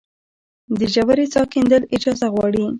د ژورې څاه کیندل اجازه غواړي؟